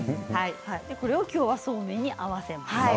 これを、きょうはそうめんに合わせます。